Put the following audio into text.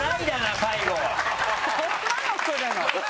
そんなのくるの？